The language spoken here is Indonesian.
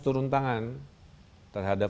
turun tangan terhadap